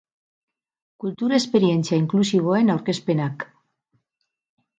Kultur esperientzia inklusiboen aurkezpenak.